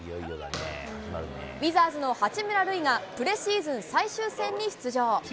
ウィザーズの八村塁が、プレシーズン最終戦に出場。